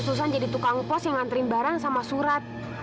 terusan jadi tukang pos yang nganterin barang sama surat